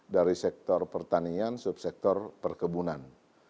dari sektor pertanian subsektor perkebunan